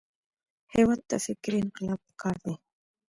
هېواد ته فکري انقلاب پکار دی